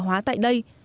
mại hóa tại đây